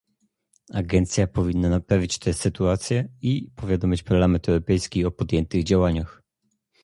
Agencja powinna naprawić tę sytuację i powiadomić Parlament Europejski o podjętych działaniach